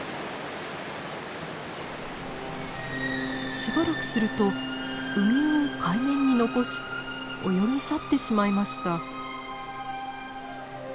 しばらくするとウミウを海面に残し泳ぎ去ってしまいました。